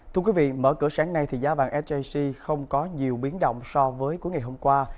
thưa quý vị mở cửa sáng nay thì giá vàng sjc không có nhiều biến động so với cuối ngày hôm qua